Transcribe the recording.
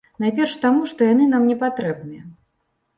Найперш таму, што яны нам не патрэбныя.